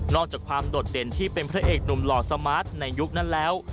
อกจากความโดดเด่นที่เป็นพระเอกหนุ่มหล่อสมาร์ทในยุคนั้นแล้ว